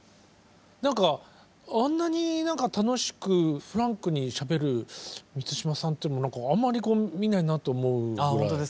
何かあんなに楽しくフランクにしゃべる満島さんっていうのもあんまりこう見ないなと思うぐらい。